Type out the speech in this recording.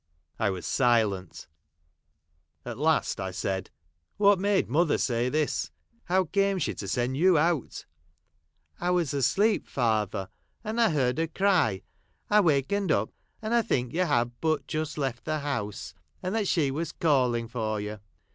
I Avas silent. At last I said —" What made Mother say this ? How came she to send you out ]"" I Avas asleep, Father, and I heard her cry. I wakened up, and I think you had but just left the house, and that she was calling for you.